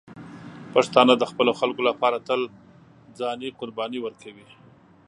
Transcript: پښتانه د خپلو خلکو لپاره تل ځاني قرباني ورکوي.